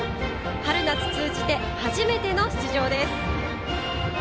春夏通じて初めての出場です。